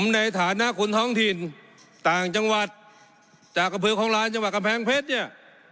ในฐานะคนท้องถิ่นต่างจังหวัดจากอำเภอคลองลานจังหวัดกำแพงเพชรเนี่ย